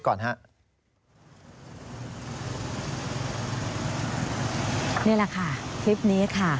นี่แหละค่ะคลิปนี้ค่ะ